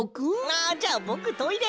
あじゃあぼくトイレ！